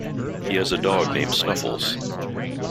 He has a dog named Snuffles.